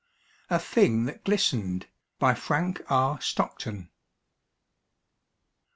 A THING THAT GLISTENED. BY FRANK R. STOCKTON.